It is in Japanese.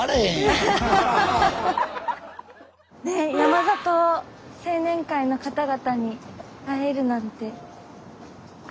山里青年会の方々に会えるなんて。